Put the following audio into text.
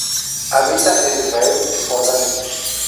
Habita en Israel y Jordania.